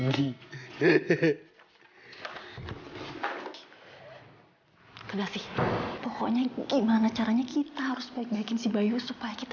ada sih pokoknya gimana caranya kita harus baik baikin si bayu supaya kita